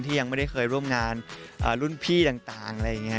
ยังไม่ได้เคยร่วมงานรุ่นพี่ต่างอะไรอย่างนี้